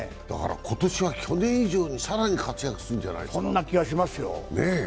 今年は去年以上に更に活躍するんじゃないですか。